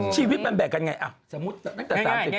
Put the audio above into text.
ชีวิตมันแบกกันไงสมมุติตั้งแต่๓๐